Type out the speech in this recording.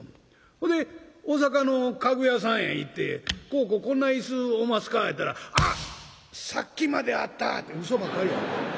ほいで大阪の家具屋さんへ行って「こうこうこんな椅子おますか？」言うたら「あっ！さっきまであった」ってうそばっかり。